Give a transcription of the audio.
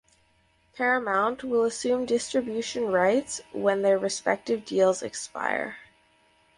Paramount will assume distribution rights when their respective deals expire.